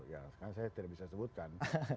ya sekarang saya tidak bisa sebutkan